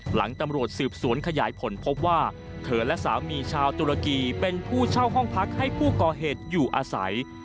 หลังตำรวจสืบสวนขยายผลพบว่าเธอและสามีชาวตุรกีเป็นผู้เช่าห้องพักให้ผู้ก่อเหตุอยู่อาศัย